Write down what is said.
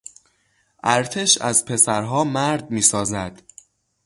ارتش از پسرها مرد میسازد.